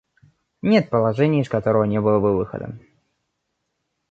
Нет положения, из которого не было бы выхода.